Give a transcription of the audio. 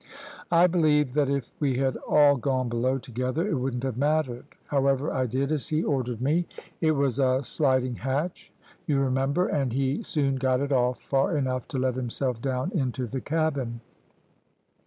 I believed that if we had all gone below together it wouldn't have mattered. However, I did as he ordered me. It was a sliding hatch, you remember, and he soon got it off far enough to let himself down into the cabin.